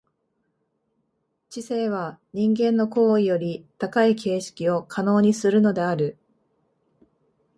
知性は人間の行為のより高い形式を可能にするのである。